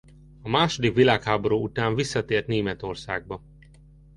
A második világháború után visszatért Németországba.